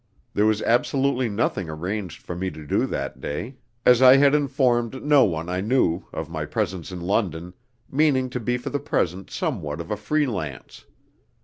There was absolutely nothing arranged for me to do that day, as I had informed no one I knew of my presence in London, meaning to be for the present somewhat of a free lance.